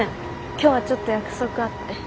今日はちょっと約束あって。